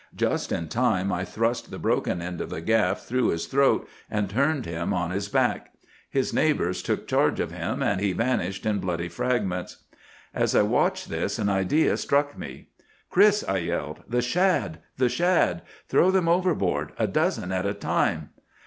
Just in time I thrust the broken end of the gaff through his throat and turned him on his back. His neighbors took charge of him, and he vanished in bloody fragments. "As I watched this an idea struck me. "'Chris!' I yelled, 'the shad! the shad! Throw them overboard, a dozen at a time!